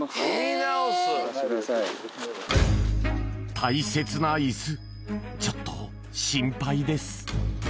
大切な椅子ちょっと心配です